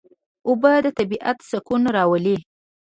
اوبه د طبیعت سکون راولي.